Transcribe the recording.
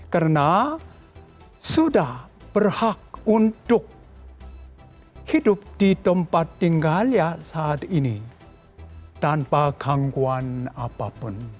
karena sudah berhak untuk hidup di tempat tinggalnya saat ini tanpa gangguan apapun